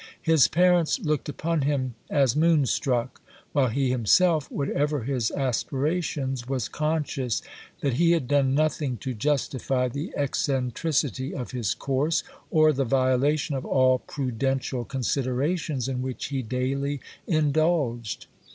His parents looked upon him as moonstruck, while he himself, whatever his aspirations, was conscious that he had done nothing to justify the eccentricity of his course, or the violation of all prudential considerations in which he daily indulged.